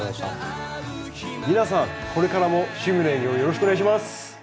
皆さんこれからも「趣味の園芸」をよろしくお願いします。